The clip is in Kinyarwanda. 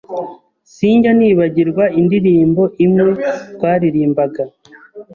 Sinjya nibagirwa indirimbo imwe twaririmbaga